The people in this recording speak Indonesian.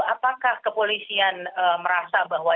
apakah kepolisian merasa bahwa